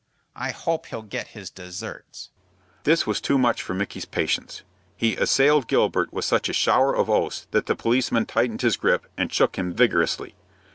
I hope he'll get his desserts." This was too much for Micky's patience. He assailed Gilbert with such a shower of oaths that the policeman tightened his grip, and shook him vigorously.